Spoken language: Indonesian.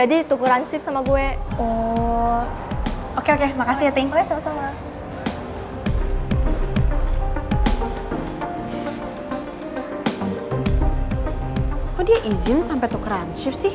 iya katanya sih ada keperluan